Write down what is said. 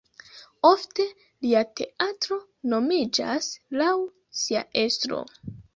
Ofte lia teatro nomiĝas laŭ sia estro.